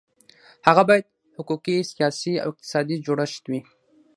هغه باید حقوقي، سیاسي او اقتصادي جوړښت وي.